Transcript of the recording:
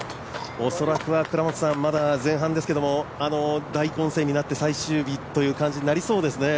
おそらくはまだ前半ですけども、大混戦になって最終日、という感じになりそうですね。